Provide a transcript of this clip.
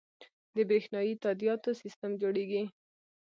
د بریښنایی تادیاتو سیستم جوړیږي